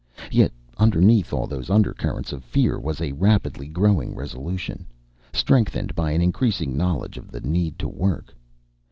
Yet, underneath all those undercurrents of fear, was a rapidly growing resolution, strengthened by an increasing knowledge of the need to work.